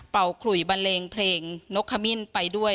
ขลุยบันเลงเพลงนกขมิ้นไปด้วย